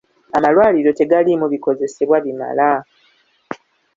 Amalwaliro tegaliimu bikozesebwa bimala.